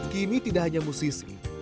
kini tidak hanya musisi